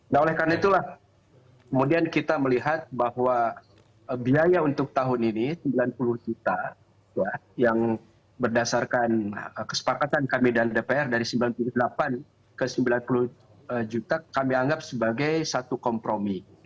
nah oleh karena itulah kemudian kita melihat bahwa biaya untuk tahun ini sembilan puluh juta yang berdasarkan kesepakatan kami dan dpr dari sembilan puluh delapan ke sembilan puluh juta kami anggap sebagai satu kompromi